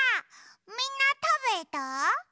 みんなたべた？